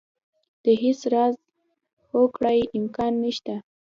د هېڅ راز هوکړې امکان نه شته.